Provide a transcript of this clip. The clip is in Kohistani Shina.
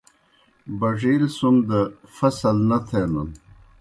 بَڙِیل سُم دہ فصل نہ تھینَن۔